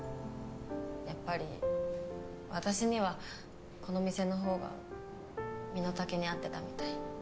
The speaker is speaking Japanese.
やっぱり私にはこの店の方が身の丈に合ってたみたい。